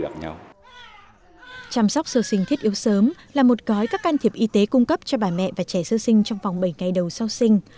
chăm sóc sơ sinh thiết yếu sớm là một gói các can thiệp y tế cung cấp cho bà mẹ và trẻ sơ sinh trong vòng bảy ngày đầu sau sinh